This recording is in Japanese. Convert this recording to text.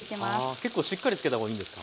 結構しっかりつけた方がいいんですか？